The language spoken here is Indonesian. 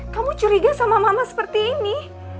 kamu curiga sama mama seperti ini